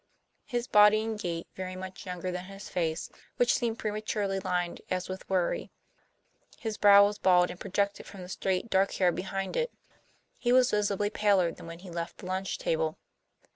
His body and gait very much younger than his face, which seemed prematurely lined as with worry; his brow was bald, and projected from the straight, dark hair behind it. He was visibly paler than when he left the lunch table.